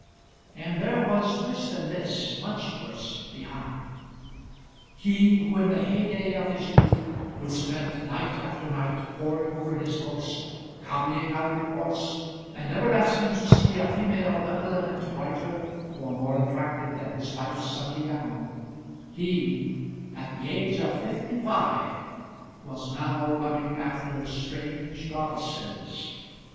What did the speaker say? And there was worse than this, much worse behind. He, who in the heyday of his youth would spend night after night poring over his books, copying out reports, and never asking to see a female habiliment brighter or more attractive than his wife's Sunday gown, he, at the age of fifty five, was now running after strange goddesses!